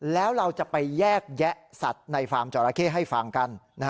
แล้วเราจะไปแยกแยะสัตว์ในฟาร์มจอราเข้ให้ฟังกัน